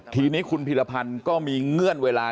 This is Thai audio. ทีนี้คุณพิรพันธ์ก็มีเงื่อนเวลา